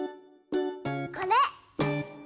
これ！